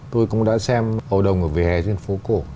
tôi cũng đã xem hầu đồng ở vỉa hè trên phố cổ